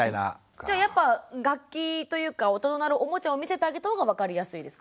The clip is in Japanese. じゃあやっぱ楽器というか音の鳴るおもちゃを見せてあげたほうが分かりやすいですか。